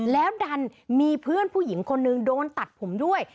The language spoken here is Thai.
แล้วดันมีเพื่อนผู้หญิงคนนึงโดนตัดผมด้วย